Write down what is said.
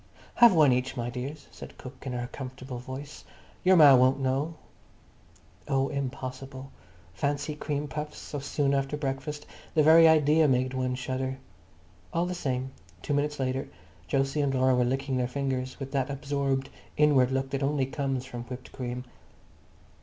"Have one each, my dears," said cook in her comfortable voice. "Yer ma won't know." Oh, impossible. Fancy cream puffs so soon after breakfast. The very idea made one shudder. All the same, two minutes later Jose and Laura were licking their fingers with that absorbed inward look that only comes from whipped cream.